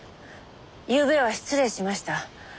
ゆうべは失礼しました。